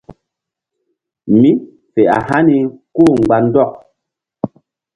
Mí fe a hani kú-u mgba ndɔk.